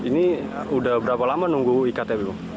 ini sudah berapa lama menunggu ktp